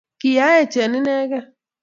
Kiyaech Ine Inegei.